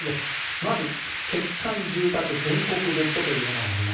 まず、欠陥住宅全国ネットというものがあります。